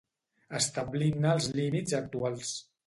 Establint-ne els límits actuals.